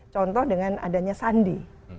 contoh dengan adanya sandi